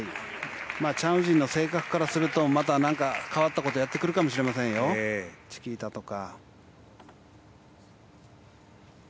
チャン・ウジンの性格からすると変わったことをやってくるかもしれませんよ、チキータとか。